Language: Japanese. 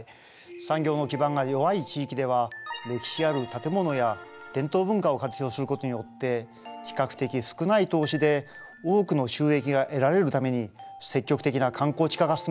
産業の基盤が弱い地域では歴史ある建物や伝統文化を活用することによって比較的少ない投資で多くの収益が得られるために積極的な観光地化が進められています。